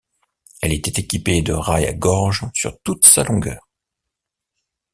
Elle était équipée de rail à gorge sur toute sa longueur.